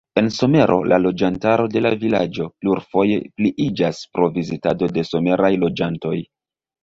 En somero la loĝantaro de la vilaĝo plurfoje pliiĝas pro vizitado de someraj loĝantoj.